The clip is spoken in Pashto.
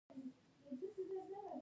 د پیسو دقیق حساب په بانک کې ساتل کیږي.